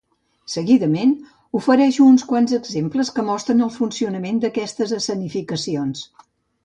Seguidament, ofereixo uns quants exemples que mostren el funcionament d'aquestes escenificacions.